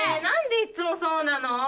何でいっつもそうなの？